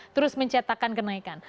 terus mencetakan kenaikan